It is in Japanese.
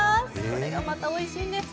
これがまた、おいしいんです。